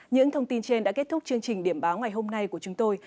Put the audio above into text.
những thông tin trên đã kết thúc chương trình điểm báo ngày hôm nay của chúng tôi